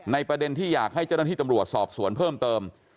ประเด็นที่อยากให้เจ้าหน้าที่ตำรวจสอบสวนเพิ่มเติม